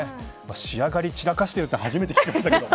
仕上がり散らかしているって初めて聞きましたけど。